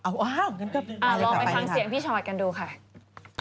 ลองไปฟังเสียงพี่ชอดกันดูค่ะ